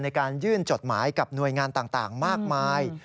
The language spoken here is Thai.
ในการยื่นจดหมายกับหน่วยงานต่างมากมาย